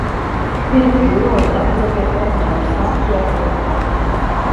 Herif vuruyor da, bize koklatmıyorsa kıyak doğrusu.